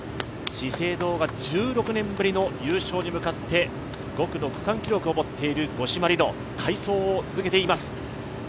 資生堂が１６年ぶりの優勝に向かって５区の区間記録を持っている五島莉乃、快走を続けています。